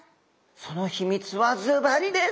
その秘密はずばりです。